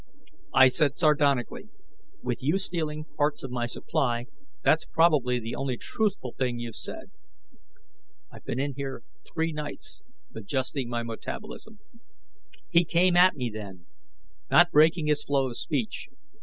I said sardonically, "With you stealing parts of my supply, that's probably the only truthful thing you've said!" "I've been in here three nights, adjusting my metabolism ..." He came at me then, not breaking his flow of speech.